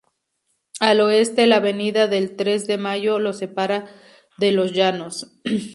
Al oeste, la avenida del Tres de Mayo lo separa de Los Llanos.